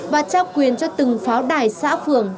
và trao quyền cho từng pháo đài xã phường